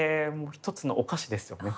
一つのお菓子ですよね